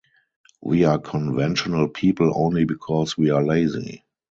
We are conventional people only because we are lazy.